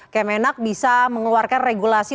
kem enak bisa mengeluarkan regulasi